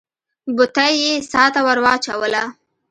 بتۍ يې څا ته ور واچوله.